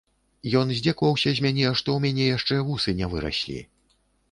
Ён здзекаваўся з мяне, што ў мяне яшчэ вусы не выраслі.